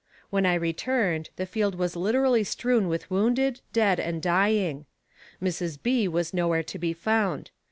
When I returned, the field was literally strewn with wounded, dead and dying. Mrs. B. was nowhere to be found.